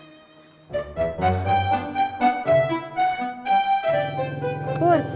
bapak juga sebenernya capek